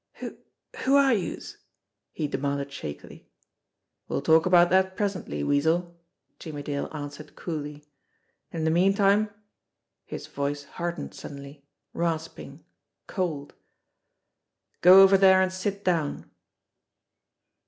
"Who who are youse?" he demanded shakily. "We'll talk about that presently, Weasel," Jimmie Dale answered coolly. "In the meantime" his voice hardened suddenly, rasping, cold "go over there and sit down